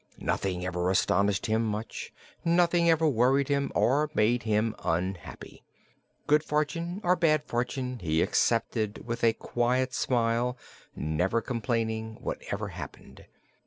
Nothing ever astonished him much; nothing ever worried him or made him unhappy. Good fortune or bad fortune he accepted with a quiet smile, never complaining, whatever happened.